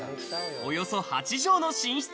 およそ８畳の寝室。